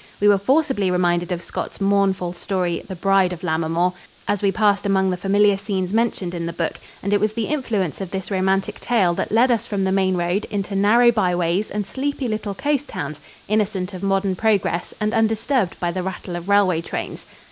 We were forcibly reminded of Scott's mournful story, "The Bride of Lammermoor," as we passed among the familiar scenes mentioned in the book, and it was the influence of this romantic tale that led us from the main road into narrow byways and sleepy little coast towns innocent of modern progress and undisturbed by the rattle of railways trains.